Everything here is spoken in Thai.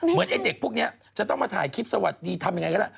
ไอ้เด็กพวกนี้จะต้องมาถ่ายคลิปสวัสดีทำยังไงก็ได้